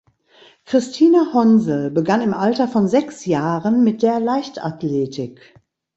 Christina Honsel begann im Alter von sechs Jahren mit der Leichtathletik.